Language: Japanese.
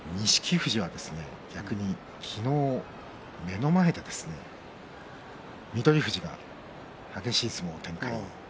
富士には逆に昨日目の前で翠富士が激しい相撲を展開。